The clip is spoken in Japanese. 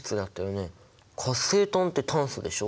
活性炭って炭素でしょ？